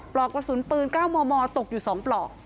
ปลอกกระสุนปืนก้าวหม่อตกอยู่๒ปลอก